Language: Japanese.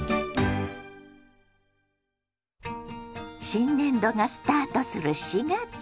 新年度がスタートする４月。